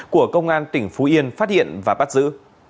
của công an tỉnh phú yên phát hiện và bắt giữ